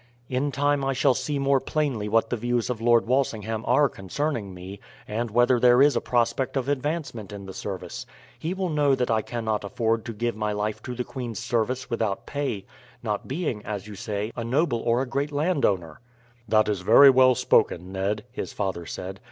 "In time I shall see more plainly what the views of Lord Walsingham are concerning me, and whether there is a prospect of advancement in the service. He will know that I cannot afford to give my life to the queen's service without pay, not being, as you say, a noble or a great landowner." "That is very well spoken, Ned," his father said.